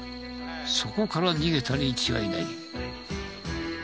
そこから逃げたに違いない。